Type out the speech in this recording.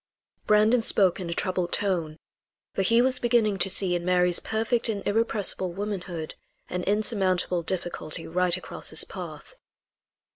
Brandon spoke in a troubled tone, for he was beginning to see in Mary's perfect and irrepressible womanhood an insurmountable difficulty right across his path.